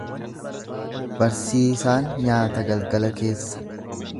Barsiisaan nyaata galgala keessa.